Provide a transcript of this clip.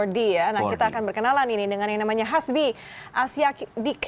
empat d ya nah kita akan berkenalan ini dengan yang namanya hasbi asyakidik